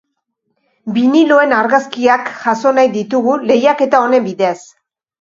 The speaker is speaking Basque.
Biniloen argazkiak jaso nahi ditugu, lehiaketa honen bidez.